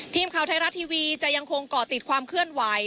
ทีมข่าวไทยรัฐทีวีจะยังคงเกาะติดความเคลื่อนไหว